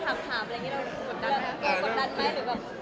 เพราะคนมาถามอะไรอย่างนี้คุณกดดันไหม